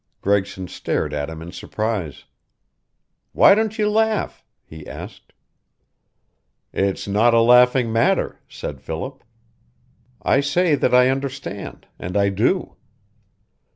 Gregson stared at him in surprise. "Why don't you laugh?" he asked. "It is not a laughing matter," said Philip. "I say that I understand. And I do."